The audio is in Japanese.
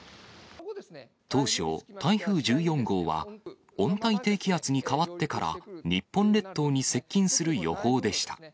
当初、台風１４号は温帯低気圧に変わってから日本列島に接近する予報でした。